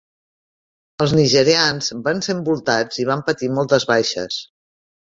Els nigerians van ser envoltats i van patir moltes baixes.